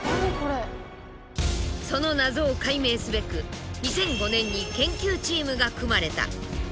その謎を解明すべく２００５年に研究チームが組まれた。